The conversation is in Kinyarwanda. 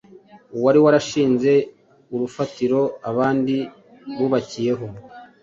wari warashinze urufatiro abandi bubakiyeho.